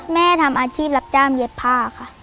แม่ทำอาชีพรับจ้างเย็บผ้าค่ะ